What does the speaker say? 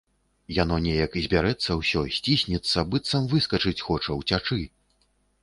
Яно неяк збярэцца ўсё, сціснецца, быццам выскачыць хоча, уцячы.